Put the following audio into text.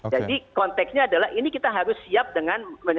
jadi konteksnya adalah ini kita harus siap dengan